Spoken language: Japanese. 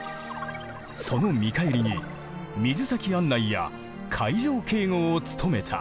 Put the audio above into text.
その見返りに水先案内や海上警護を務めた。